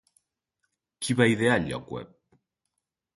Qui va idear el lloc web?